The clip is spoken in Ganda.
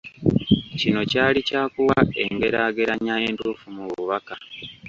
Kino kyali kyakuwa engeraageranya entuufu mu bubaka.